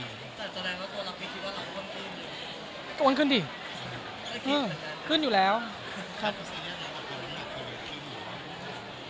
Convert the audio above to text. แต่แสดงว่าตัวเราคิดว่าหลังขึ้นขึ้นดิอืมขึ้นอยู่แล้วครับ